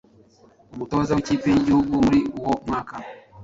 umutoza w’ikipe y’igihugu muri uwo mwaka